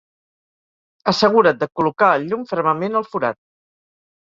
Assegura't de col·locar el llum fermament al forat.